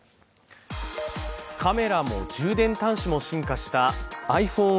カメラも充電端子も進化したｉＰｈｏｎｅ